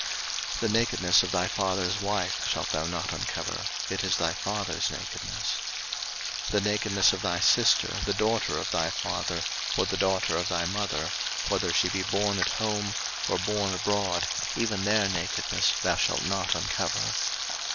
03:018:008 The nakedness of thy father's wife shalt thou not uncover: it is thy father's nakedness. 03:018:009 The nakedness of thy sister, the daughter of thy father, or daughter of thy mother, whether she be born at home, or born abroad, even their nakedness thou shalt not uncover.